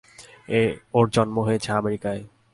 ওর জন্ম হয়েছে আমেরিকায়।